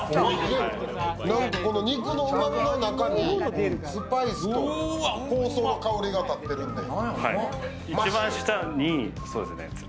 肉のうまみの中にスパイスと香草の香りが立ってるんで。